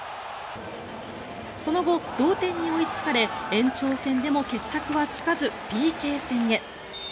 その後、同点に追いつかれ延長戦でも決着はつかずＰＫ戦へ。